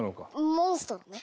モンストロね！